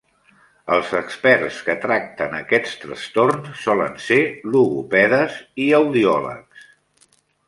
Els experts que tracten aquests trastorns solen ser logopedes i audiòlegs.